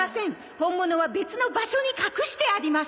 「本物は別の場所に隠してあります」